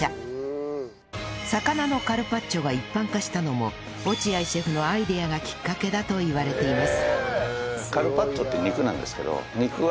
魚のカルパッチョが一般化したのも落合シェフのアイデアがきっかけだといわれています